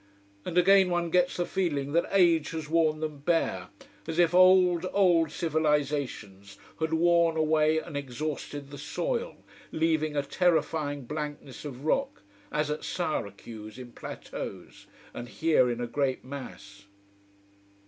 And again one gets the feeling that age has worn them bare: as if old, old civilisations had worn away and exhausted the soil, leaving a terrifying blankness of rock, as at Syracuse in plateaus, and here in a great mass.